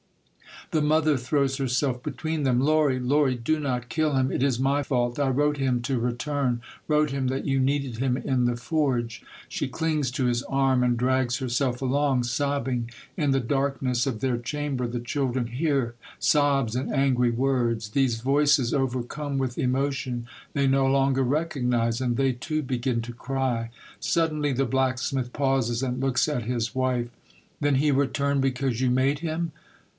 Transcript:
The mother throws herself between them. " Lory, Lory, do not kill him ! It is my fault. I wrote him to return, wrote him that you needed him in the forge." She clings to his arm and drags herself along, sobbing. In the darkness of their chamber the children hear sobs and angry words ; these voices, overcome with emotion, they no longer recognize, and they too begin to cry. Suddenly the black smith pauses, and looks at his wife. " Then he returned because you made him